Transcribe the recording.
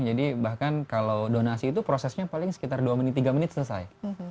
jadi bahkan kalau donasi itu prosesnya paling sekitar dua tiga menit selesai